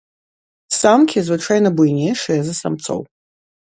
Самкі звычайна буйнейшыя за самцоў.